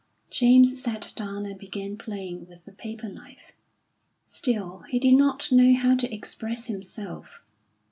James sat down and began playing with a paper knife. Still he did not know how to express himself.